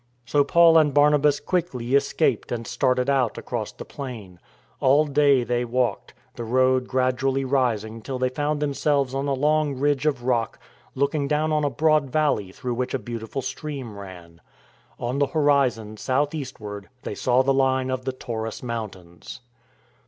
So Paul and Barnabas quickly escaped and started out across the plain. All day they walked, the road gradually rising till they found themselves on a long ridge of rock looking down on a broad valley through which a beautiful stream ran. On the horizon south eastward they saw the line of the Taurus mountains.